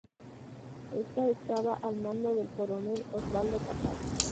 Esta estaba al mando del coronel Osvaldo Capaz.